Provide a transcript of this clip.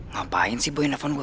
ngapain sih boyin telepon gua